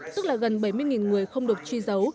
tức là gần bảy mươi người không được truy dấu